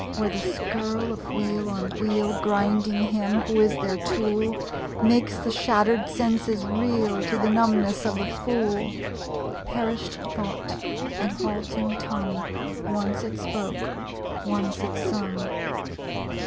Where the skirl of wheel on wheel, Grinding him who is their tool, Makes the shattered senses reel To the numbness of the fool. Perisht thought, and halting tongue (Once it spoke; once it sung!)